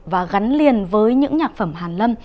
và gắn liền với những nhạc phẩm hàn lâm